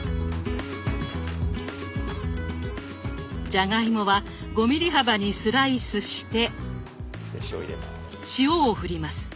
じゃがいもは５ｍｍ幅にスライスして塩をふります。